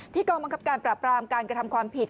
กองบังคับการปราบรามการกระทำความผิด